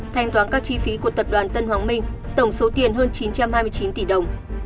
thanh toán các chi phí của tập đoàn tân hoàng minh tổng số tiền hơn chín trăm hai mươi chín tỷ đồng